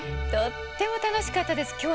とってもたのしかったです。